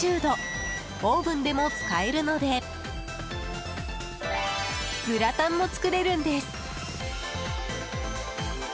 オーブンでも使えるのでグラタンも作れるんです。